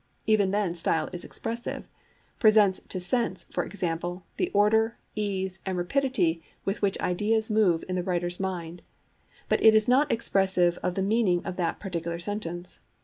Even then style is expressive—presents to sense, for example, the order, ease, and rapidity with which ideas move in the writer's mind—but it is not expressive of the meaning of that particular sentence.